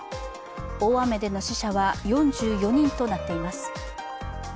大雨での死者は４４人となっています。